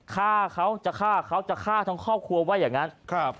ฆ่าเขาจะฆ่าเขาจะฆ่าทั้งครอบครัวว่าอย่างงั้นครับ